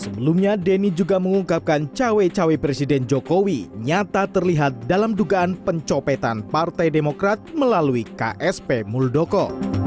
sebelumnya denny juga mengungkapkan cawe cawe presiden jokowi nyata terlihat dalam dugaan pencopetan partai demokrat melalui ksp muldoko